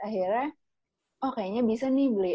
akhirnya oh kayaknya bisa nih beli